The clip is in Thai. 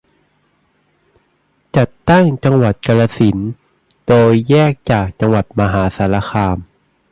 จัดตั้งจังหวัดกาฬสินธุ์ โดยแยกจากจังหวัดมหาสารคาม